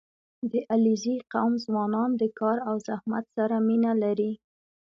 • د علیزي قوم ځوانان د کار او زحمت سره مینه لري.